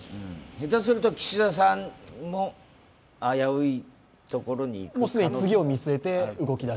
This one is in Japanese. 下手すると岸田さんも危ういところにいく可能性も。